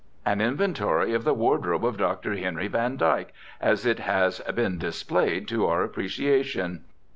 An inventory of the wardrobe of Dr. Henry van Dyke, as it has been displayed to our appreciation.